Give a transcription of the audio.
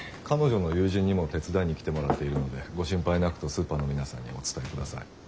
彼女の友人にも手伝いに来てもらっているのでご心配なくとスーパーの皆さんにお伝えください。